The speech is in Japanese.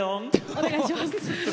お願いします。